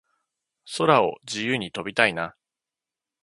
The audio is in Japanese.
空を自由に飛びたいな